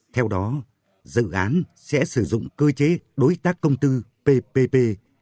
theo đó dự án sẽ sử dụng cơ chế đối tác công tư ppp